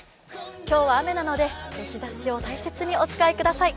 今日は雨なので日ざしを大切にお使いください。